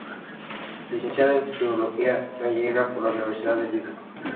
Licenciada en Filología Gallega por la Universidad de Vigo.